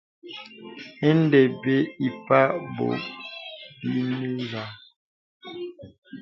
Indē bə̀ ǐ pə̀k bɔ bɔbini zâ.